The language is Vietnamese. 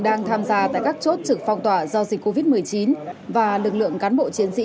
đang tham gia tại các chốt trực phong tỏa do dịch covid một mươi chín và lực lượng cán bộ chiến sĩ